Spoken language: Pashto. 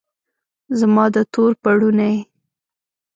زما د تور پوړنې